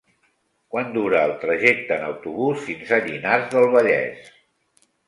Quant dura el trajecte en autobús fins a Llinars del Vallès?